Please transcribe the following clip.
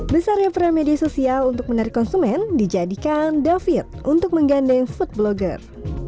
besarnya peran media sosial untuk menarik konsumen dijadikan david untuk menggandeng food blogger